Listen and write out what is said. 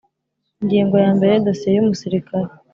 Ingingo ya mbere Dosiye y umusirikare